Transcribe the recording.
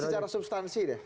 secara substansi deh